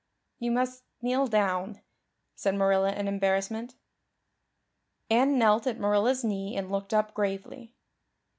"You must kneel down," said Marilla in embarrassment. Anne knelt at Marilla's knee and looked up gravely.